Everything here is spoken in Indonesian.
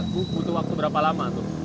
bu butuh waktu berapa lama tuh